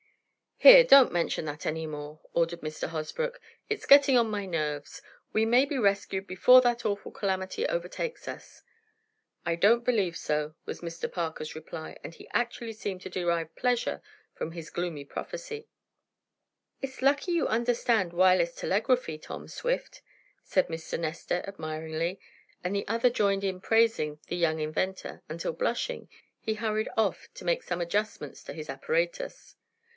"Here! Don't mention that any more," ordered Mr. Hosbrook. "It's getting on my nerves! We may be rescued before that awful calamity overtakes us." "I don't believe so," was Mr. Parker's reply, and he actually seemed to derive pleasure from his gloomy prophecy. "It's lucky you understand wireless telegraphy, Tom Swift," said Mr. Nestor admiringly, and the other joined in praising the young inventor, until, blushing, he hurried off to make some adjustments to his apparatus.